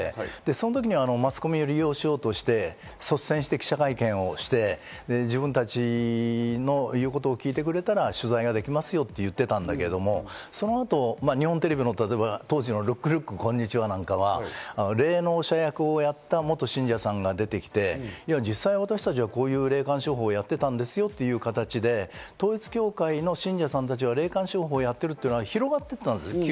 その時にはマスコミを利用しようとして率先して記者会見をして自分たちの言うことを聞いてくれたら取材ができますよと言ってたんだけど、その後、日本テレビの当時の『ルックルックこんにちは』なんかは霊能者役をやった元信者さんが出てきて、実際、私たちはこういう霊感商法をやってたんですよという形で統一教会の信者さんたちは霊感商法をやってるというのが広がっていた１９９２年。